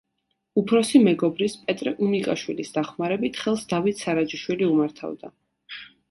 უფროსი მეგობრის, პეტრე უმიკაშვილის დახმარებით, ხელს დავით სარაჯიშვილი უმართავდა.